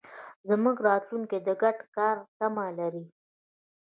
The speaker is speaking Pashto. زموږ راتلونکی د ګډ کار تمه لري.